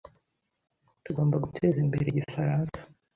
Tugomba guteza imbere igifaransa